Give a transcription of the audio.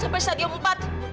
sampai stadion empat